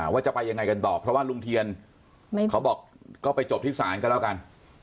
ว่าจะไปยังไงกันต่อเพราะว่าลุงเทียนเขาบอกก็ไปจบที่ศาลก็แล้วกัน